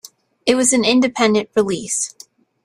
It was an independent release.